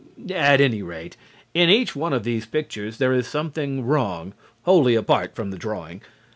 At any rate, in each one of these pictures there is something wrong (wholly apart from the drawing).